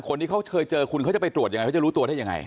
คนที่เขาเคยเจอคุณเขาจะไปตรวจยังไงเขาจะรู้ตัวได้ยังไง